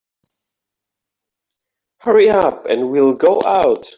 Hurry up and we'll go out.